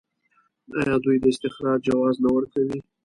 آیا دوی د استخراج جواز نه ورکوي؟